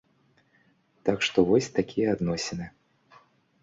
Так што вось такія адносіны.